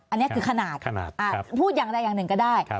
อันนี้คือขนาดพูดอย่างใดอย่างหนึ่งก็ได้